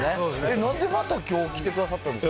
なんでまた、きょう、来てくださったんですか？